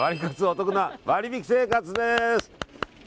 おトクな割引生活です！